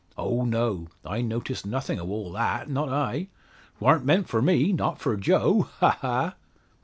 Oh, no; I noticed nothin' o' all that, not I? 'Twarn't meant for me not for Joe ha, ha!"